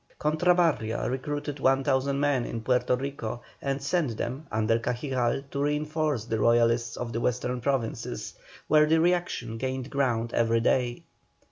Cortabarria recruited 1,000 men in Puerto Rico and sent them, under Cajigal, to reinforce the Royalists of the Western Provinces, where the reaction gained ground every day.